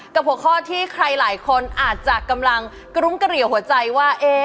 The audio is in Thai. กับหัวข้อที่ใครหลายคนอาจจะกำลังกระรุ้มกระเหรียวหัวใจว่าเอ๊ะ